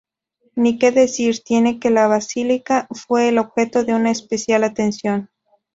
Ni que decir tiene que la Basílica fue el objeto de una especial atención.